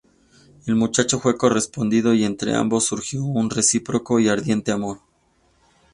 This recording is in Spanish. El muchacho fue correspondido y entre ambos surgió un recíproco y ardiente amor.